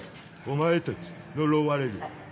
お前たち呪われる。